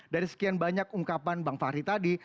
dari sekian banyak ungkapan bang fahri tadi